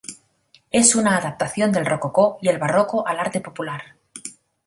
Es una adaptación del rococó y el barroco al arte popular.